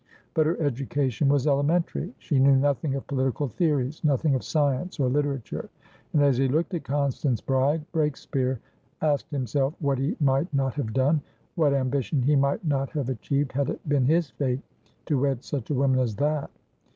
But her education was elementary; she knew nothing of political theories, nothing of science or literature, and, as he looked at Constance Bride, Breakspeare asked himself what he might not have done, what ambition he might not have achieved, had it been his fate to wed such a woman as that!